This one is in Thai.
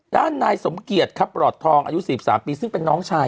ด้านนายสมเกียจครับหลอดทองอายุ๔๓ปีซึ่งเป็นน้องชาย